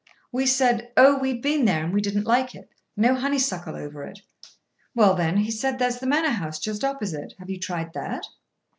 We said: "Oh, we had been there, and didn't like it—no honeysuckle over it." "Well, then," he said, "there's the Manor House, just opposite. Have you tried that?"